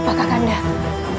kanda akan mencari kanda